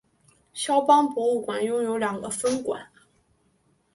萧邦博物馆拥有两个分馆。